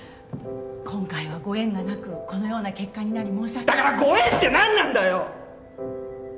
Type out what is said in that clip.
今回はご縁がなくこのような結果になり申し訳だからご縁って何なんだよ！